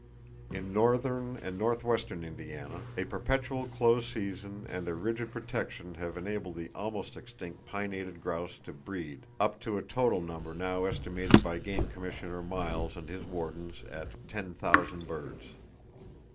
In northern and northwestern Indiana, a perpetual close season and rigid protection have enabled the almost extinct pinnated grouse to breed up to a total number now estimated by Game Commissioner Miles and his wardens at 10,000 birds.